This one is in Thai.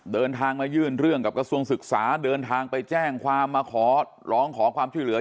เดินทางมายื่นเรื่องกับกระทรวงศึกษาเดินทางไปแจ้งความมาขอร้องขอความช่วยเหลือ